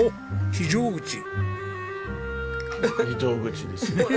非常口です。